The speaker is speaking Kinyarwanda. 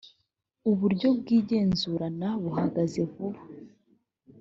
uburyo bw’igenzurana buhagaze vuba